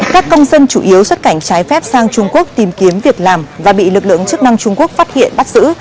các công dân chủ yếu xuất cảnh trái phép sang trung quốc tìm kiếm việc làm và bị lực lượng chức năng trung quốc phát hiện bắt giữ